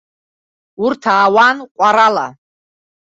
Урҭ аауан ҟәарала.